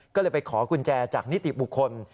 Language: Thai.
ก็เลยไปขอกุญแจจากนิติบุคคล